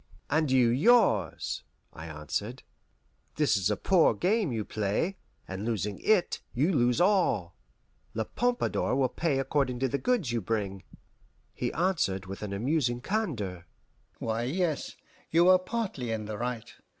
"And you yours," I answered. "This is a poor game you play, and losing it you lose all. La Pompadour will pay according to the goods you bring." He answered with an amusing candour: "Why, yes, you are partly in the right.